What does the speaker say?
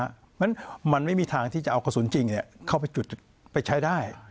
เพราะฉะนั้นมันไม่มีทางที่จะเอากระสุนจริงเข้าไปจุดไปใช้ได้